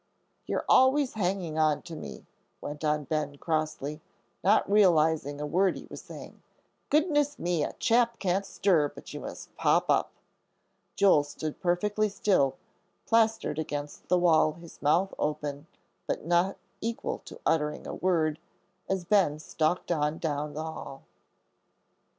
"You're always hanging on to me," went on Ben, crossly, not realizing a word he was saying. "Goodness me, a chap can't stir but you must pop up." Joel stood perfectly still, plastered against the wall, his mouth open, but not equal to uttering a word, as Ben stalked on down the hall.